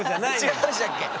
違いましたっけ？